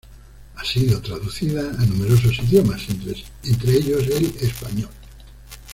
Ha sido traducida a numerosos idiomas, entre ellos el español.